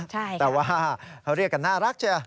ใช่ค่ะแต่ว่าเขาเรียกกันน่ารักเจอ